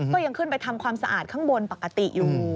ก็ยังขึ้นไปทำความสะอาดข้างบนปกติอยู่